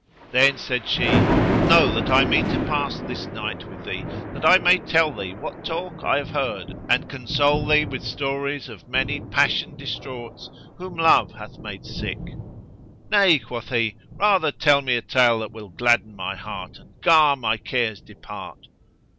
Then said she, "Know that I mean to pass this night with thee, that I may tell thee what talk I have heard and console thee with stories of many passion distraughts whom love hath made sick." "Nay," quoth he, "rather tell me a tale that will gladden my heart and gar my cares depart."